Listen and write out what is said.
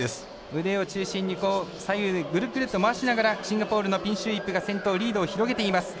腕を中心に左右にぐるぐると回しながらシンガポールのピンシュー・イップが先頭リードを広げています。